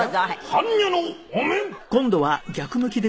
般若のお面！